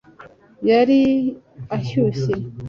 yari ashyushye